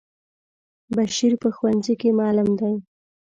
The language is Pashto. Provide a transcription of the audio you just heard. بشیر په ښونځی کی معلم دی.